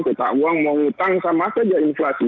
kita uang mau utang sama saja inflasi